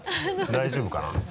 大丈夫かな？